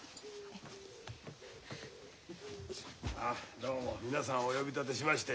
どうも皆さんお呼び立てしまして。